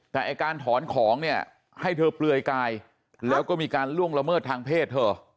แต่ไอ้การถอนของเนี่ยให้เธอเปลือยกายแล้วก็มีการล่วงละเมิดทางเพศเธอ